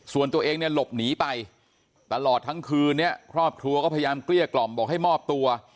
ส่วนตัวเองเนี่ยหลบหนีไปตลอดทั้งคืนเนี่ยครอบครัวก็พยายามเกลี้ยกล่อมบอกให้มอบตัว